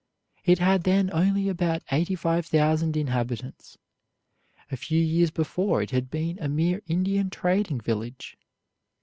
It had then only about eighty five thousand inhabitants. A few years before it had been a mere Indian trading village.